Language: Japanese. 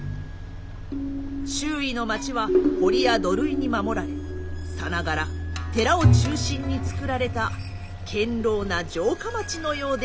周囲の町は堀や土塁に守られさながら寺を中心につくられた堅牢な城下町のようでありました。